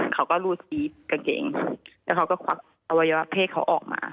เขาก็รูดซีดกางเกงแล้วเขาก็ควักอวัยวะเพศเขาออกมา